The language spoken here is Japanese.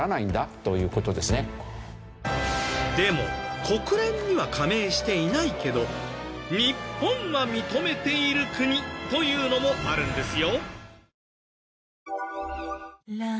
でも国連には加盟していないけど日本が認めている国というのもあるんですよ。